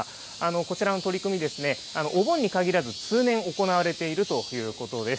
こちらの取り組み、お盆に限らず、通年、行われているということです。